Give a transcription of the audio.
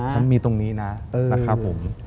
ฉันมีตรงนี้นะนะครับผม